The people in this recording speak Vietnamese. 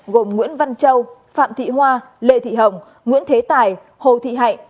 gồm nguyễn văn châu phạm thị hoa lê thị hồng nguyễn thế tài hồ thị hạnh